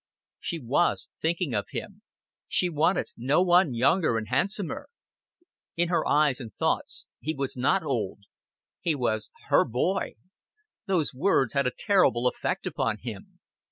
She was thinking only of him; she wanted no one younger and handsomer; in her eyes and thoughts he was not old: he was her boy. Those words had a terrible effect upon him.